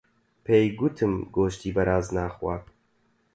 پێی گوتم گۆشتی بەراز ناخوات.